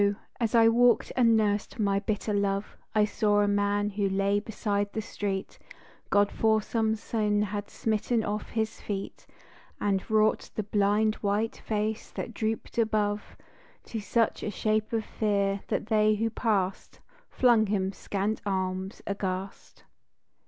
as I walked and nursed my bitter love I saw a man who lay beside the street, God for some sin had smitten off his feet And wrought the blind, white face that drooped above To such a shape of fear, that they who passed Flung him scant alms aghast.